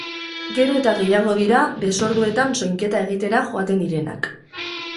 Gero eta gehiago dira desorduetan soinketa egitera joaten direnak.